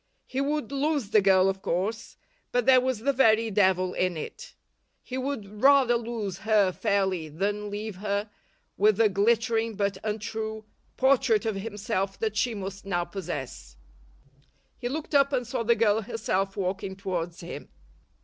He would lose the girl, of course, but there was the very devil in it. He would rather lose her fairly than leave her with the glittering but untrue portrait of himself that she must now possess. He looked up and saw the girl herself walking towards him.